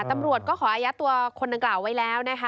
ตำรวจก็ขออาญาตัวคนนึงกล่าวไว้แล้ว